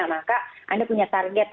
maka anda punya target